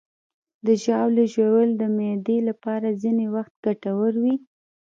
د ژاولې ژوول د معدې لپاره ځینې وخت ګټور وي.